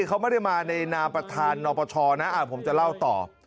เขาไม่ได้มาในนามประธานนปชนะผมจะเล่าต่อ